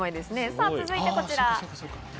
さぁ、続いてこちら。